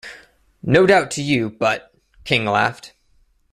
"No doubt, to you, but —" King laughed.